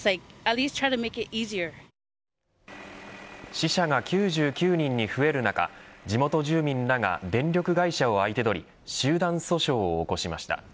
死者が９９人に増える中地元住民らが電力会社を相手取り集団訴訟を起こしました。